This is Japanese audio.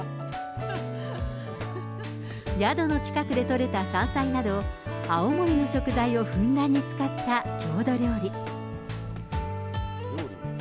宿の近くでとれた山菜など、青森の食材をふんだんに使った郷土料理。